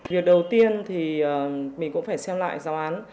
việc đầu tiên thì mình cũng phải xem lại giáo án